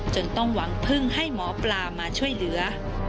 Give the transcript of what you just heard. ต้องหวังพึ่งให้หมอปลามาช่วยเหลือ